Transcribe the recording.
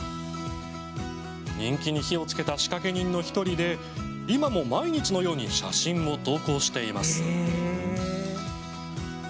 人気に火をつけた仕掛け人の１人で今も毎日のように写真を投稿しています。